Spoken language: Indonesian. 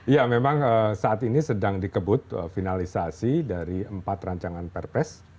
ya memang saat ini sedang dikebut finalisasi dari empat rancangan perpres